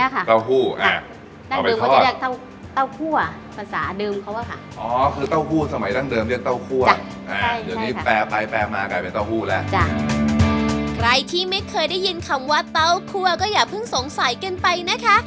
ใครที่ไม่เคยได้ยินคำว่าเต้าคั่วก็อย่าเพิ่งสงสัยกันไปนะคะ